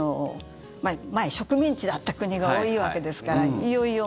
前、植民地だった国が多いわけですから、いよいよ。